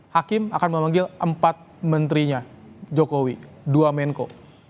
hakim akan memanggil empat menterinya jokowi dua menko